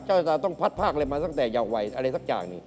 เจ้าชะตาต้องพัดภาคมาตั้งแต่เยาวัยอะไรสักอย่างหนึ่ง